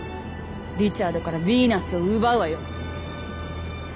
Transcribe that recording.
リチャードからビーナスを奪うわよ。